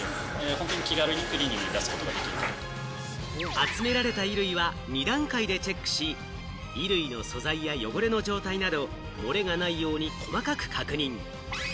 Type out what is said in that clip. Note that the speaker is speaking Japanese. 集められた衣類は２段階でチェックし、衣類の素材や汚れの状態など、もれがないように細かく確認。